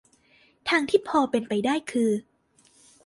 ทางที่พอเป็นไปได้คือ